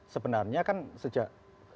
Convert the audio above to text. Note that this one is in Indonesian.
sebenarnya kan sejak